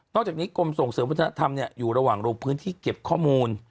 อกจากนี้กรมส่งเสริมวัฒนธรรมอยู่ระหว่างลงพื้นที่เก็บข้อมูล